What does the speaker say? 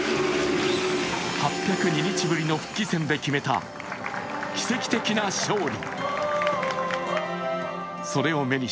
８０２日ぶりの復帰戦で決めた奇跡的な勝利。